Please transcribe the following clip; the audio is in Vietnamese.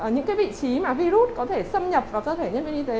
những vị trí mà virus có thể xâm nhập vào cơ thể nhân viên y tế